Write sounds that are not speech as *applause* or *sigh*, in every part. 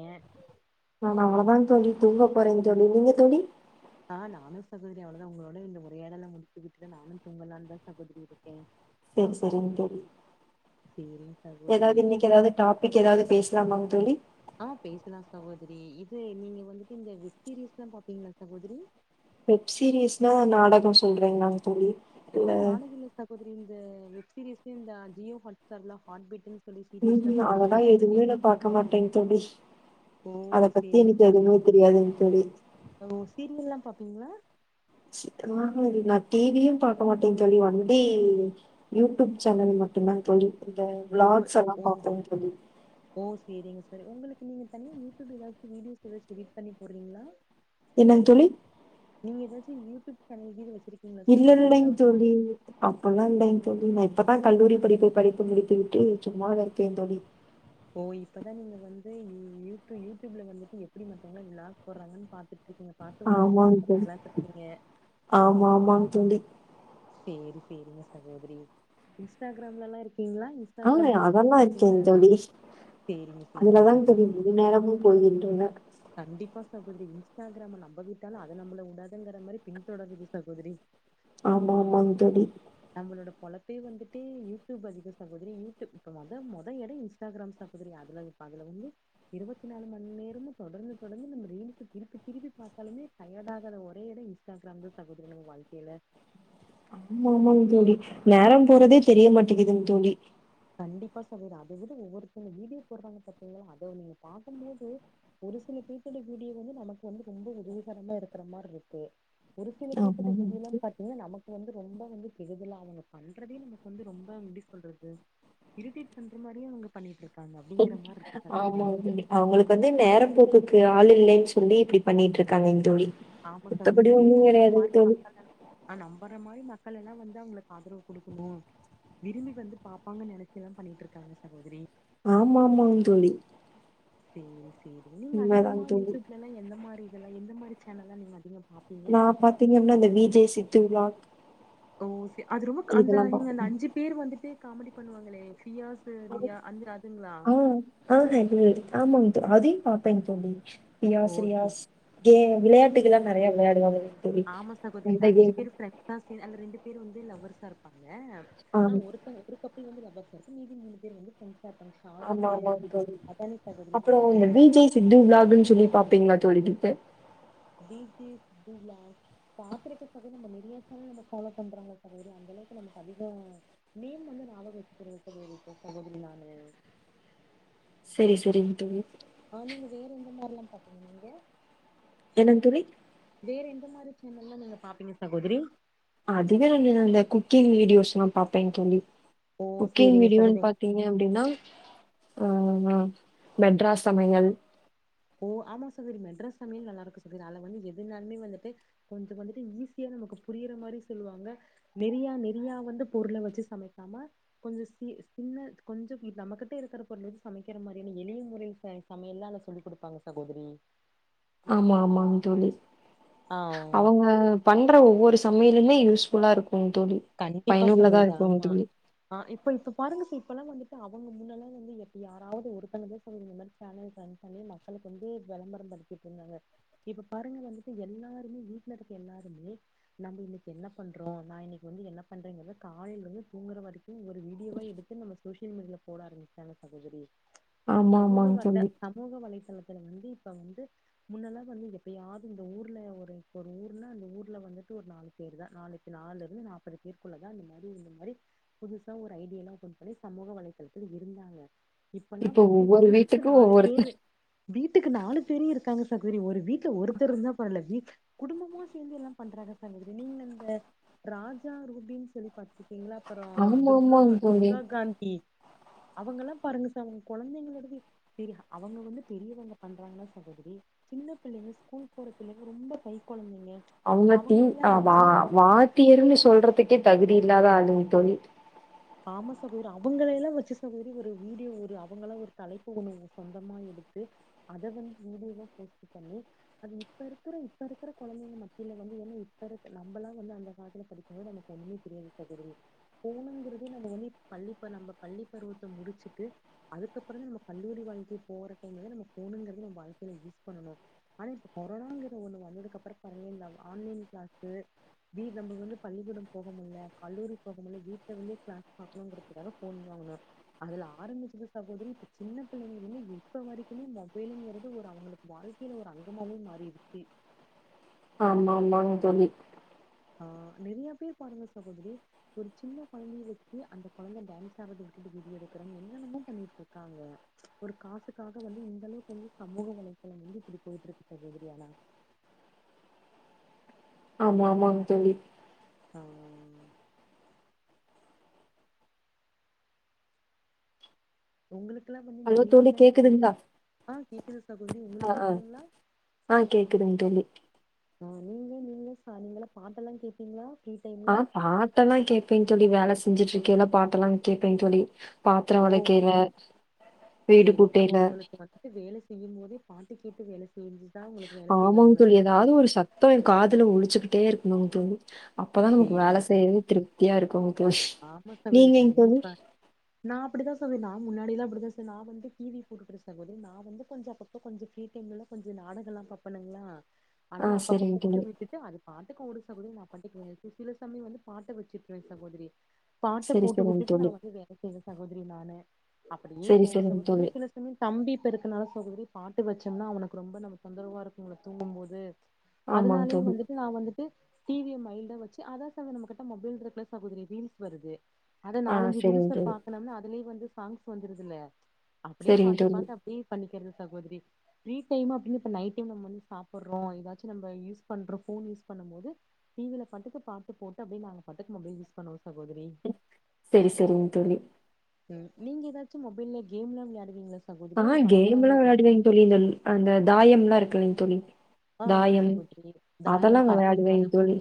ஏ நான் அவ்ளோதா தோழி தூங்க போறேன் தோழி நீங்க தோழி ஆ நானு சகோதரி அவ்ளோவுதா உங்களோட இந்த உரையாடல முடிச்சுக்கட்டு நானு தூங்களானுதா சகோதரி இருக்கே சேரி சேரிங் தோழி சேரிங் சகோதரி இன்னக்கி ஏதாவது பேசலாமாங்க தோழி ஆ பேசலாம சகோதரி இது நீங்க வந்துட்டு இந்த வெப் சீரிஸ்ல்லா பாப்பீங்களா சகோதரி வெப் சீரிஸ்னா நாடக சொல்றேங்க சொல்றிங்கலா தோழி ஆ இல்ல நாளைக்கு இல்ல சகோதரி இந்த வெப் சீரீஸ் இந்த ஜியோ ஹட்டார்ல்லா ஹார் பீட்டு ம் ம் அததா எதுவுமே நா பாக்க மாட்டேங் தோழி ஓ அதபத்தி எனக் சேரிங்கா எதுமே தெரியாதுங் தோழி ஓ சீரியல்லா பாப்பீங்களா சி *unintelligible* நா டி வியு பாக்க மாட்டே தோழி வண்டி யூடியூப் சேனல் மட்டுந்தா தோழி இந்த ஓ விளாக்ஸ் எல்லா ஓ பாப்பேங் தோழி ஓ சரிங்க சரி உங்களுக்கு நீங்க தனியா யூடியூப் ஏதாச்சு வீடியோஸ் ஏதாச்சு எடிட் பண்ணி போறீங்களா என்னாங் தோழி நீங்க ஏதாச்சு யூடியூப் சேனல் கீது வச்சிருக்கீங்களா சகோதரி ஏதாவது அப்போலாம் இல்லைங்க தோழி நான் இப்பதான் கல்லூரி படிப்பை படித்து முடித்துவிட்டு சும்மாவே இருக்கேன் தோழி ஓ இப்பதான் நீங்க வந்து யூடியூப்ல வந்துட்டு எப்படி மத்தவங்க விளாக்ஸ் போடுறாங்கன்னு பா இருக்கீங்க பார்த்து ஒரு அனுபவத்தை ஆமாங்க பாத்துக் தோழி. கத்துக்கலாம்னு இருக்கீங்க ஆமா ஆமா தோழி செரி செரிங்க சகோதரி இன்ஸ்டாகிராம்ல எல்லாம் இருக்கீங்களா இன்ஸ்டாகிராம் ஆஹ் ரீல்ஸ் தா அதெல்லாம் பாப்பீங்களா இருக்கேன் தோழி சேரிங்க சேரிங்க அதுலதான் தோழி சகோதரி முழு நேரமும் போய்கின்றன கண்டிப்பா சகோதரி இன்ஸ்டாகிராம் நம்ப விட்டாலும் அது நம்மள உடாதுங்கற மாதிரி பின்தொடறது சகோதரி ஆமா ஆமாங்க தோழி நம்மளோட பொழப்பைய வந்துட்டு யூடியூப் அதிக சகோதரி யூடியூப் இப்ப மொத இட இன்ஸ்டாகிராம் சாட்ஸ் இருக்குல்லயா அ அதலாம் இப்ப அ அதல வந்து இருபத்தி நாலு மணி நேரமும் தொடர்ந்து தொடர்ந்து நம்ம ரீல்ஸ்க்கு திருப்பி திருப்பி பார்த்தாலுமே டயர்டாகற ஒரே இடம் இன்ஸ்டாகிராம் தான் சகோதரி நம்ம வாழ்கையில ஆமா ஆமாங்க தோழி நேரம் போறதே தெரிய மாட்டேங்கிதுங்க தோழி கண்டிப்பா சகோதரி அதை விட ஒவ்வொருத்தங்க வீடியோ போடுறாங்க பார்த்தீங்களோ அதை நீங்க பார்கும் போது ஒரு சில பீப்பிடி வீடியோ வந்து நமக்கு வந்து ரொம்ப உதவிகரமா இருக்கிற மாதிரி இருக்கு ஒரு சில பீப் பிடி ஆமாங்க. வீடியோல்லாம் ப தோழி நமக்கு வந்து ரொம்ப கெடுதலா வந்து அவங்க பண்றதே நமக்கு ரொம்ப எப்டி சொல்றது இரிட்டேட் பண்ற மாதிரியே அவங்க பண்ணிட்டு இருக்காங்க அப்படிங்கிற மாதிரி இருக்கு சகோதரி ஆமாங்க தோழி. அவங்களுக்கு வந்து நேரம் போக்குக்கு ஆள் இல்லைன்னு சொல்லி இப்படி பண்ணிட்டு இருக்காங்க இந்த தோழி ஆமா மத்தபடி சகோதரி சேர் ஒண்ணும் நம்மள கெடையாதுங்க மாறி தோழி. பாக்க ஆஹ் நம்பற மாதிரி மக்கள் எல்லாம் வந்து அவங்களுக்கு ஆதரவு கொடுக்கணும் விரும்பி வந்து பாப்பாங்கன்னு நினைச்சு எல்லாம் பண்ணிட்டு இருக்காங்க சகோதரி ஆமா ஆமா தோழி செரி செரி நீங்க அதிகமா உண்மதாங்க தோழி. யூடியூப்ல எந்த மாதிரி இதெல்லாம் எந்த மாதிரி சேனல்லாம் நீங்க அதிகமா பார்ப்பீங்க நான் பாத்தீங்கனா இந்த V J Siddhu vlog okay அது ரொம்ப அந்த நீங்க அந்த பாப்பேங்க. அஞ்சு பேர் வந்துட்டு காமெடி பண்ணுவாங்களே பியாஸ் ஆஹ் ஆஹ்ஹ ஆமாங்க தோ அதையும் பாப்பேங்க தோழி ஓ யாஸ் சே ரியாஸ் கே விளையாட்டுக்க எல்லாம் நிறைய விளையாடுவாங்க தோழி. ஆமா சகோதரி இந்த அந்த அஞ்சு கேம் பேர் அ ரெண்டு பேர் வந்து லவர்ஸா இருப்பாங்க ஆ ஒரு ஒரு கப்பல் வந்து லவர்ஸ் அ இருப்பாங்க மீதி மூணு பேர் வந்து பிரண்ட்ஸா இருப்பாங்க ஆமா ஷாரிக்கு ஆமா சகோதரி அதானே சகோதரி அப்புறம் சொல்றீங்க இந்த வி ஜே சித்து விளாக்ன்னு சொல்லி பார்ப்பீங்களா தோழி கிட்டு யு டியூப் விலாக் பாக்குறதுக்கு பதில் நம்ம நிறைய சேனல நம்ம ஃபாலோ பண்றோம்ல சகோதரி அந்த அளவுக்கு நமக்கு அதிகம் நேம் வந்து நியாபகம் வச்சுக்கறதுல சகோதரி நானு சேரி தோழின்னுட்டு ஆஹ் நீங்க வேற எந்த மாதிரி எல்லாம் பாப்பிங்க நீங்க என்னங்க தோழி வேற எந்த மாரி சேனல்லாம் நீங்க பாப்பீங்க சகோதரி அதுவே நானு இந்த குக்கிங் வீடியோஸ்ல்லாம் பாப்பேன் தோழி ஓ குக்கிங் சேரிங்க சகோதரி வீடியோன்னு இங்க அப்டின்னா ஆ மெட்ராஸ் சமையல் ஓ ஆமா சகோதரி மெட்ராஸ் சமையல் நல்லா இருக்கும் சகோதரி அதுல வந்து எதுனாலுமே வந்துட்டு கொஞ்சம் வந்துட்டு ஈஸியா நமக்கு புரியுற மாரி சொல்லுவாங்க நெறையா நெறையா வந்து பொருள வச்சு சமைக்காம கொஞ்சம் சி சின்ன கொஞ்சம் நம்மகிட்ட இருக்கிற பொருள் வந்து சமைக்கிற மாரியான எளிய முறை சமை சமையல் எல்லா சொல்லி குடுப்பாங்க சகோதிரி ஆமா ஆமாங் தோழி ஆ அவங்க பண்ற ஒவ்வொரு சமையல்லுமே யூஸ்ஃபுல்லா இருக்கு தோழி கண்டிப்பா பயனுள்ளதா சகோதிரி இருக்குங்க ஆமா தோழி. ஆ இப்ப இப்ப பாருங்க சார் இப்பெல்லா வந்துட்டு அவங்க முன்னல்லா வந்து எப்ப யாராவது ஒருத்தங்கத சொல்லுங் இந்த மார் தானே பிளான் பண்ணி மக்களுக்கு வந்து வெளம்பரம் படுத்திட் இருந்தாங்க இப்ப பாருங்க வந்துட்டு எல்லாருமே வீட்ல இருக்க எல்லாருமே நம்ம இன்னைக்கி என்ன பண்றோ நா இன்னிக் கி வந்து என்ன பண்றீங்கனு கால்லந்து தூங்கற வரைக்கு ஒரு வீடியோவா எடுத்து நம்ம சோசியல் மீடியால போடா ஆரம் அதான சகோதிரி ஆமா, சமூக ஆமாங்க வட்ட தோழி. சமூக வலைத்தளத்துல வந்து இப்ப வந்து முன்னல்லா வந்து எப்பையாது இந்த ஊர்ல ஒரு ஒரு ஊர்ல அந்த ஊர்ல வந்துட்டு ஒரு நால் பேர் தா நாளைக்கு நால்ல இருந்து நாற்பது பேருக்குள்ளதா இந்த மாரி இந்த மாரி புதுசா ஒரு ஐடி லா ஓபன் பண்ணி சமூக வலைதளத்துல இருந்தாங்க இப்பல்லா இப்போ வந்து ஒவ்வொரு வீட்டுக்கு வீட்டுக்கும் நாலு பேரு ஒவ்வொருத்தர் வீட்டுக்கு நாலு பேரியு இருக்காங்க சகோதிரி ஒரு வீட்ல ஒருத்தர் இருந்தா பர்ல வீ குடும்பமா சேர்ந்து எல்லா பண்றாங்க தோழி இது நீங்க இந்த ராஜா ரூபின் சொல்லி பாத்திருக்கீங்ளா அப்பறோ துர்கா ஆமாமாங்க தோழி. துர்கா காந்தி அவுங்கள்லா பாருங்க சார் அவுங்க கொழந்தைங்களோடவே செரி அவுங்க வந்து பெரியவங்க பண்றாங்னா சகோதிரி சின்ன பிள்ளைங்க ஸ்கூல் போற பிள்ளைங்க ரொம்ப கை கொழந்தைங்க அவங்க தீ அவங்கள எல்லா ஆமா வச்சு வாத்தியர்ன்னு சொல்றதுக்கே தகுதி இல்லாத அளுங் தோழி ஆமா சகோதிரி அவங்கள எல்லாம் வச்சு சகோதிரி ஒரு வீடியோ அவங்கள்லா ஒரு தலைப்பு ஒண்ணு சொந்தமா எடுத்து அத வந்து வீடியோ வா போஸ்ட் பண்ணி அது இப்ப இருக்கிற இப்ப இருக்கிற கொழந்தைங்க மத்தியில வந்து ஏன்னா இப்ப இருக் நம்மளா வந்து அந்த காலத்துல படிக் கும் போது நமக்கு ஒண்ணுமே தெரியாது சகோதிரி போணுங்கிற து நம்ம வந்து பள்ளிப்ப நம்ம பள்ளி பருவத்த முடிச்சுட்டு அதுக்கப்பற தா இந்த கல்லூரி வாழ்க்கை போற டைம்ல நம்ம போணுங்கிறது நம்ப வாழ்க்கையில யூஸ் பண்ணணோ ஆனா இப்ப கொரோனாங்கிற ஒண்ணு வந்ததுக்கு அப்பற பாருங்க இந்த ஆன்லைன் கிளாஸ்சு வீ நம்ப வந்து பள்ளிக்கூடம் போகமுல்ல கல்லூரி போகமுல்ல வீட்ல இருந்தே கிளாஸ் பாக்கணுங்கறதுக்காக போன் வாங்குனோ அதுல ஆரம்பிச்சது சகோதிரி இப்ப சின்ன பிள்ளைங்கள இருந்து இப்ப வரைக்குமே மொபைல்ங்கிறது ஒரு அவங்களுக்கு வாழ் கைல ஒரு அங்கமாவே மாறிடுச்சு ஆமாமாங் தோழி ஆ நெறைய பேர் பாருங்க சகோதிரி ஒரு சின்ன கொழந்தைய வச்சு அந்த கொழந்த டான்ஸ் ஆடுறத *inaudible* வீடியோ எடுக்கறன் என்னென்னமோ பண்ணிட்டுருக்காங்க ஒரு காசுக்காக வந்து இந்த அளவுக்கு வந்து சமூக வலைதளங் வந்து இப்டி போயிட்டுருக்கு சகோதிரி ஆனா ஆமா ஆமாங் தோழி ஆ உங்களுக்குலா வந்து இந்த ஹலோ தோழி ரீல்ஸ்லா கேக்குதுங்களா? *unintelligible* ஆ கேக்குது சகோதிரி ஆ, உங்களுக் ஆ. கேட்குதுங்ளா ஆ கேக்குதுங்க தோழி. ஆ நீங்க நீங்க ச நீங்கள பாட்டெல்லா கேட்பீங்ளா ஆ பாட்டெல்லா கேட்பேன் தோழி வேல செஞ்சுட்டு இருக்கேல்ல பாட்டெல்லாம் கேட்பே தோழி பாத்ரோ ஓ வெலக்கைல வீடு சேரிங் அப்ப கூட்டைல உங்களுக்கு வந்துட்டு வேல செய்யுபோதே பாட்டு கேட்டு வேல செஞ்சுதா உங்களுக்கு வேல செய் ஆமாங்க வருங்ளா சகோதிரி ஏதாவது ஒரு தோழி என் காதுல ஒழிச்சுக்கிட்டே இருக்ணு தோழி அப்பதா நமக்கு வேல சேரிங்க செய்றது சகோதரி திருப்தியா இருக்குங் தோழி ஆமா சகோதரி நீங்கைங் தோழி கண்டிப்பா நா அப்டிதா சகோதிரி நா முன்னாடிலா அப்டிதா சகோதரி நா வந்து டிவி போட்டுட்டு சகோதிரி நா வந்து கொஞ்ச அப்பப் இப்ப கொஞ்ச ஃப்ரீ டைம்ல கொஞ்ச நாடகல்லா பாப்பேணுங்ளா ஆ ஆனாலு அப்பப்ப சரிங்க போட்டு தோழி. விட்டுட்டு அது பாட்டுக் ஓட சொல்லி நா *unintelligible* சில சமய வந்து பாட்ட வச்சிருப்ப சகோதிரி பாட்ட சரி போட்டு சரிங்க விட்டுட்டு தோழி நாம போய் வேல செய்வ சகோதிரி நானு அப்டியே சரி போகு சரிங்க சகோதரி தோழி சில தம்பி இப்ப இருக்கனால சகோதரி பாட்டு வச்சோம்னா அவனுக்கு ரொம்ப நம்ம தொந்தரவா இருக்கும்முல தூங்கும் போது ஆமாங்க அதனாலயு தோழி வந்துட்டு நா வந்துட்டு டி விய மைல்டா வச் அதே சமயோ நம்ம கிட்ட மொபைல் இருக்குல சகோதரி ரீல்ஸ் வருது அத ஆ நாலஞ்சு சரிங்க ரீல்ஸ்ல தோழி பாக்கனம்னா அதுலய வந்து சாங்ஸ் வந்துருது இல்லயா அப்டியே சரிங்க பாத்து தோழி பாத்து அப் ஃபீல் பண்ணிக்கிற்ன சகோதிரி ஃப்ரீ டைம் அப்டின்னு இப்ப நைட் டைம் நம்ம வந்து சாப்புறோ எதாச்சு நம்ப யூஸ் பண்றோ ஃபோன் யூஸ் பண்ணு போது டீ வில பட்டுக்கு பாட்டு போட்டு அப்டியே நாங்க பட்டுக்கு மொபைல் யூஸ் பண்ணுவோ சகோதிரி செரி செரிங்க தோழி ம் நீங்க எதாச்சு மொபைல்ல கேம்ல்லா வெள்யாடுவீங்ளே ஆமா கேம்ல்லா வெள்யாடுவேன் தோழி இந்த அந்த தாயம்ல்லா இருக்கலைங் தோழி ஆ ஆமா தாயம் சகோதரி அதெல்லா தாயம் வெள்யாடுவேங் பரமபாதம் தோழி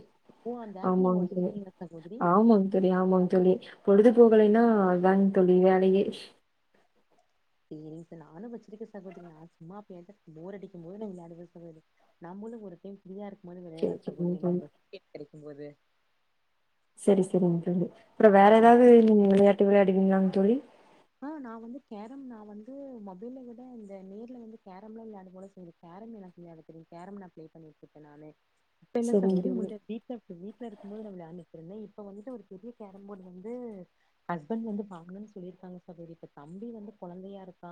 ஓ அந்த ஆப் நீங்க ஆமாங் தோழி வச்சிருக்கீங்களா சகோதரி ஆமாங் தோழி ஆமாங் தோழி பொழுதுபோகலன்னா அதாங் தோழி வேலயே செரிங் ச நானு வச்சிருக்க சகோதிரி நா சும்மா எப்பயாச்சு போர் அடிக்கு போது நா வெள்யாடுவே சகோதரி நம்பளு ஒரு டைம் ஃப்ரீயா இருக்கு போது சரி வெள்யாடலா சரிங்க சகோதரி தோழி நம்போ *inaudible* கெடைக்கு போது செரி செரிங் தோழி அப்றோ வேற எதாவ்து நீங்க விளயாட்டு விள்யாடுக்கீங்ளாங் தோழி ஆ நா வந்து கேரம் நா வந்து மொபைல்ல விட இந்த நேர்ல வந்து கேரம்லா விள்யாட போல தோழி கேரம் எனக் விள்யாட தெரியும் கேரம் நா பிளே பண்ணிட்ருக்க நானு சரிங்க தோழி ட்டுக்கு வீட்ல இருக்குபோது நா விள்யாண்ட்ருக்கங்க இப்ப வந்துட்டு ஒரு பெரிய கேரம்போர்டு வந்து ஹஸ்பண்ட் வந்து பாங்கன் சொல்லியிருக்காங்க இப்ப கொஞ்சோ இப்ப தம்பி வந்து கொழந்தையா இருக்கா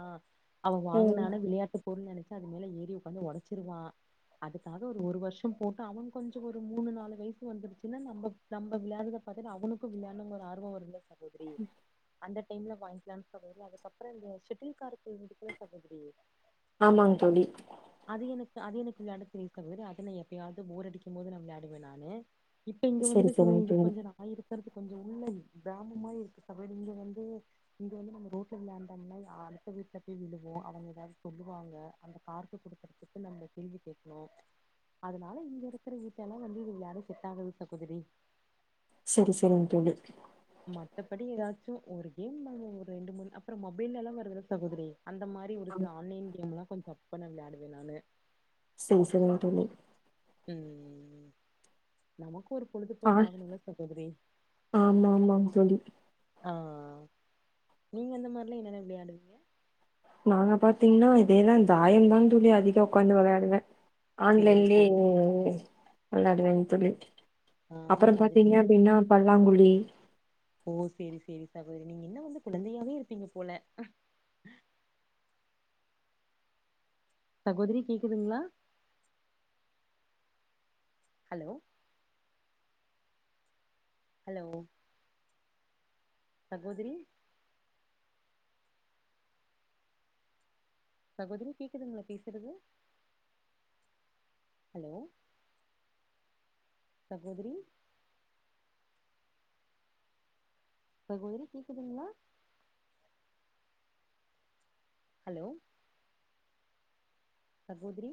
அவ ம் வாங்கனாலு விளயாட்டு பொருள் நெனச்சசு அது மேல ஏறி உக்காந்து ஒடச்சிடுவா அதுக்காக ஒரு ஒரு வருஷம் போட்டோ அவன் கொஞ்சோ ஒரு மூணு நாலு வய்சு வந்துருச்சுன்னா நம்போ நம்ப விள்யாட்றத பாத்துட் அவனுக்கு விள்யாண்னோன் ஒரு ஆர்வோம் வரும்ல சகோதிரி அந்த டைம்ல வாங் லாம் சகோதரி அதுக்கப்றோ இந்த செட்டில்கார்க்கு வந்துக்குள்ள சகோதரி ஆமாங் தோழி அது எனக்கு அது எனக்கு விள்யாட தெரியோ சகோதரி அத நா எப்பயாவ்து போர் அடிக்கு போது நா விள்யாடுவ நானு இப்ப இங்க சரி வந்துட்டு சரிங்க சகோதிரி தோழி கொஞ்ச நா இருக்கறது கொஞ்சோ உள்ள கிராம மாரி இருக்கு சகோதிரி இங்க வந்து இங்க வந்து நம்ம ரோட்ல விளாண்டோம்னா அடுத்த வீட்ல போய் விழுவோ அவங்க எதாவ்து சொல்லுவாங்க அந்த கார்க் எட்த்து குடுக்கறதுக்கு நம்ப கேள்வி கேக்கணு அதனால இங்க இருக்கிற வீட்டல்லா வந்து விள்யாட செட் ஆகாது சகோதிரி செரி செரிங் தோழி மத்தபடி எதாச்சு ஒரு கேம் வந்து ஒரு ரெண்டு மூணு அப்றோ மொபைல்லல்லா வருதுல சகோதரி அந்த மார் ரி ஒரு ஆ பிளானிங் கேம்லா கொஞ்சோ டஃப் பண்ண வெள்யாடுவ நானு செர் செரிங்க தோழி ம் நமக்கு ஒரு ஆ பொழுதுபோக்கு ஆகணும்ல சகோதரி ஆமா ஆமாங்க தோழி ஆ நீங்க அந்த மாரிலா என்னென்ன விள்யாடுவீங்க நாங்க பாத்தீங்ன்னா இதேதா தாயம் தா தோழி அதிக உக்காந்து வெள்யாடுவ சேரி ஆன்லைன்லே சேரி ஓ ஓ வெள்ளாடுவ தோழி ஆ நீங்க அப்புறம் அது பாத்தீங்க விளயா அப்டின்னா பல்லாங்குழி ஓ சேரி சேரி சகோதரி நீங்க இன்னு வந்து குழந்தையாவே இருப்பீங்க போல சகோதரி கேக்குதுங்களா ஹலோ ஹலோ சகோதரி சகோதரி கேக்குதுங்களா பேசுறது ஹலோ சகோதிரி சகோதிரி கேக்குதுங்களா ஹலோ சகோதிரி